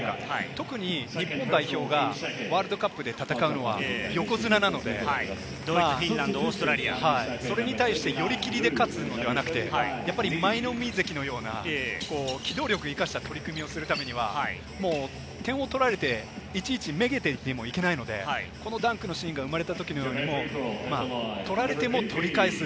特に日本代表がワールドカップで戦うのは横綱なので、それに対して寄り切りで勝つんではなくて、やっぱり舞の海関のような、機動力を生かした取り組みをするためには、点を取られて、いちいちめげていてもいけないので、このダンクのシーンが生まれたときのように取られても取り返す。